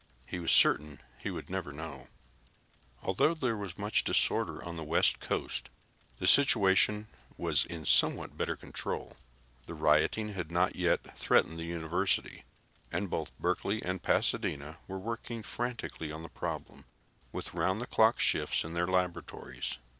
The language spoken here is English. He was certain he would never know. Although there was much disorder on the west coast, the situation was in somewhat better control. The rioting had not yet threatened the universities, and both Berkeley and Pasadena were working frantically on the problem with round the clock shifts in their laboratories.